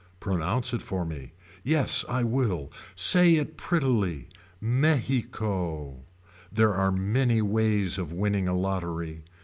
Pronounce it for me. Yes I will. Say it prettily. Mexico. There are many ways of winning a lottery.